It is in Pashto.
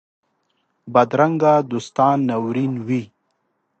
بدرنګه دوستان ناورین وي